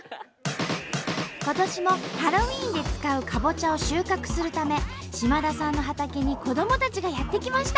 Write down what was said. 今年もハロウィーンで使うかぼちゃを収穫するため島田さんの畑に子どもたちがやって来ました。